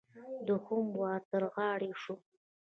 دوهم وار را تر غاړې شو.